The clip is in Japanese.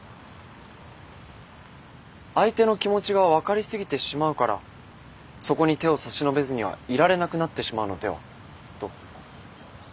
相手の気持ちが分かり過ぎてしまうからそこに手を差し伸べずにはいられなくなってしまうのではと。